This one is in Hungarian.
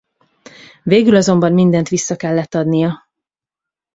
Végül azonban mindent vissza kellett adnia.